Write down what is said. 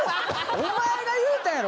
お前が言うたんやろ！